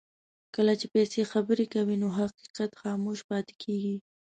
کله چې پیسې خبرې کوي نو حقیقت خاموش پاتې کېږي.